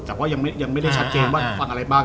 แต่ว่ายังไม่ได้ชัดเจนว่าฟังอะไรบ้าง